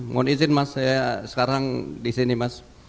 mohon izin mas saya sekarang disini mas